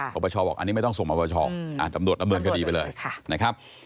ปปชบอกอันนี้ไม่ต้องส่งมาปชตำรวจดำเนินคดีไปเลยนะครับ